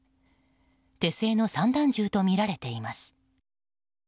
手製の散弾銃とみられています。